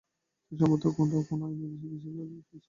তিনি সম্ভবত কোনও আইনি বিবাদের শিকার হয়েছিলেন।